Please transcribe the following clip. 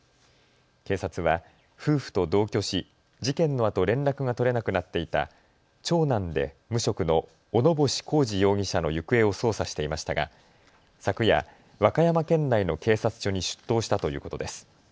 警察は夫婦と同居し事件のあと連絡が取れなくなっていた長男で無職の小野星浩志容疑者の行方を捜査していましたが昨夜、和歌山県内の警察署に出頭したということです。